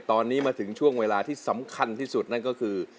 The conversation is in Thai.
ตอนนี้มาถึงช่วงเวลาที่สำคัญที่สุดนั่นก็คือ